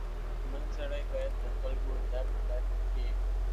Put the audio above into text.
• شتمن سړی باید د خلکو درد درک کړي.